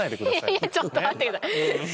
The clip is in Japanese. いやいやちょっと待ってください。